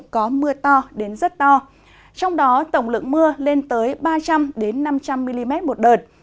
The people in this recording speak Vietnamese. có mưa to đến rất to trong đó tổng lượng mưa lên tới ba trăm linh năm trăm linh mm một đợt